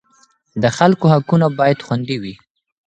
د خلکو حقونه باید خوندي وي.